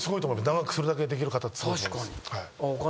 長くそれだけできる方って。